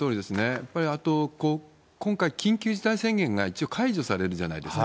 やっぱりあと、今回、緊急事態宣言が一応解除されるじゃないですか。